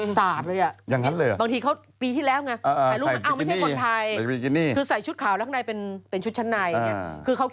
สาดเลยอ่ะ